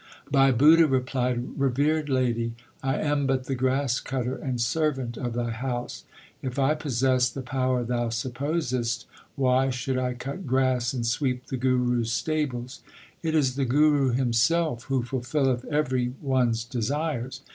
Bhai Budha replied, Revered lady, I am but the grass cutter and servant of thy house. If I pos sessed the power thou supposest, why should I cut grass and sweep the Guru s stables ? It is the Guru himself who fulfilleth every one s desires.